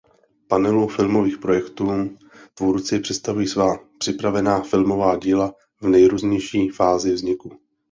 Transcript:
Panelu filmových projektů tvůrci představují svá připravovaná filmová díla v nejrůznější fázi vzniku.